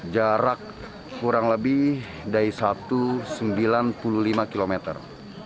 jarak kurang lebih dari satu sembilan puluh lima kilometer